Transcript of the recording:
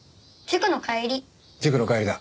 塾の帰りだ。